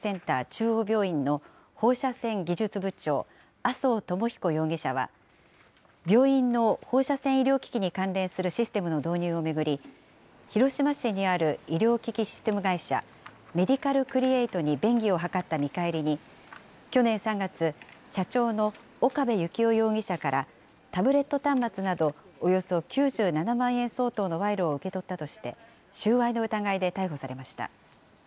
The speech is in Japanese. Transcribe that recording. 中央病院の放射線技術部長、麻生智彦容疑者は、病院の放射線医療機器に関連するシステムの導入を巡り、広島市にある医療機器システム会社、メディカルクリエイトに便宜を図った見返りに、去年３月、社長の岡部幸夫容疑者から、タブレット端末などおよそ９７万円相当の賄賂を受け取ったとして、収賄の疑いで逮捕されました。